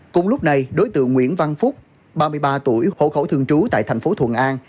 cùng lúc này đối tượng nguyễn văn phúc ba mươi ba tuổi hộ khẩu thường trú tại thành phố thuận an